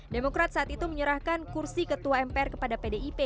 demokrat saat itu menyerahkan kursi ketua mpr kepada pdip